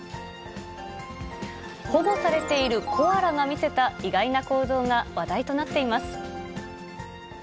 保護されているコアラが見せた意外な行動が話題となっています。